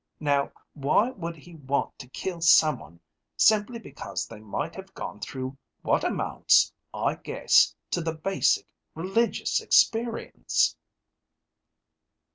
Now, why would he want to kill someone simply because they might have gone through what amounts, I guess, to the basic religious experience?"